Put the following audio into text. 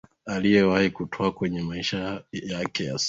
aliyowahi kutwaa kwenye maisha yake ya soka